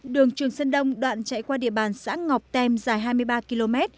đường trường sơn đông đoạn chạy qua địa bàn xã ngọc tem dài hai mươi ba km